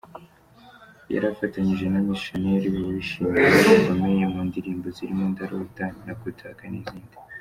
Yari afatanyije na Miss Shanel wishimiwe bikomeye mu ndirimbo zirimo ‘Ndarota’, ‘Nakutaka’ n’izindi.